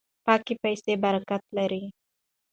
پاکې پیسې برکت لري.